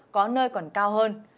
có nơi còn cao hơn